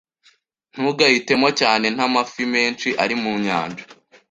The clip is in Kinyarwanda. Ntugahitemo cyane. Nta mafi menshi ari mu nyanja.